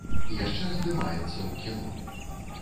Яшчэ здымаецца ў кіно.